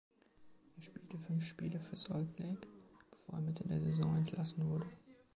Er spielte fünf Spiele für Salt Lake, bevor er Mitte der Saison entlassen wurde.